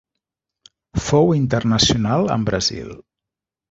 Fou internacional amb Brasil.